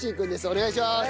お願いします。